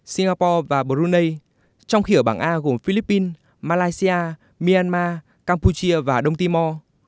singapore và brunei trong khi ở bảng a gồm philippines malaysia myanmar campuchia và đông timor